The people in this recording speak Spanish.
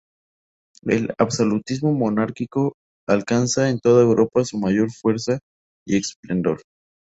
El absolutismo monárquico alcanza en toda Europa su mayor fuerza y esplendor.